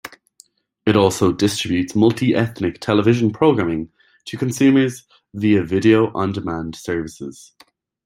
It also distributes multi-ethnic television programming to consumers via Video On Demand services.